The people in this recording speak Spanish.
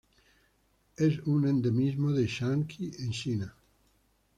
Es un endemismo de Shaanxi en China.